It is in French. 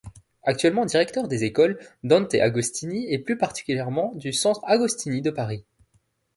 Actuellement Directeur des écoles Dante Agostini et plus particulièrement du Centre Agostini de Paris.